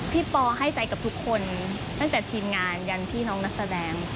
ปอให้ใจกับทุกคนตั้งแต่ทีมงานยันพี่น้องนักแสดง